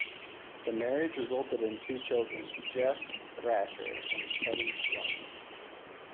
The marriage resulted in two children: Jeff Thrasher and Kehly Sloane.